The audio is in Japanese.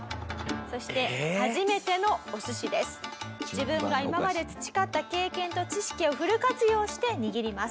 自分が今まで培った経験と知識をフル活用して握ります。